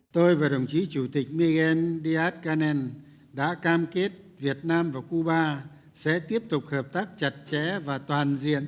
tôi và đồng chí chủ tịch miguel díaz canel đã cam kết việt nam và cuba sẽ tiếp tục hợp tác chặt chẽ và toàn diện